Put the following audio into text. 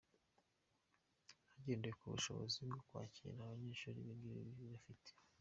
Hagendewe ku bushobozi bwo kwakira abanyeshuri ibi bigo bifite.